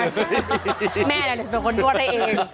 แม่ก็เป็นคนนวดให้เอง